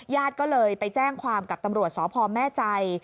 ญาติก็เลยไปแจ้งความกับตำรวจสพแม่ใจ